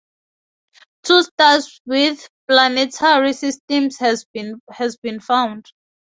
Two stars with planetary systems have been found.